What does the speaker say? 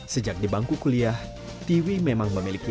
sejak di bangku kuliah tiwi memang memiliki